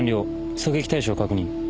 狙撃対象確認。